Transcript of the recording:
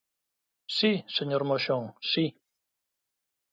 Si, señor Moxón, si.